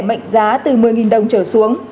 mệnh giá từ một mươi đồng trở xuống